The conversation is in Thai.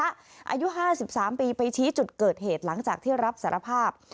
อายุ๕๓ปีไปชี้จุดเกิดเหตุหลังจากที่รับสารภาพ